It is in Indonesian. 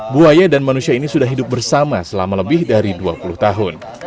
buaya dan manusia ini sudah hidup bersama selama lebih dari dua puluh tahun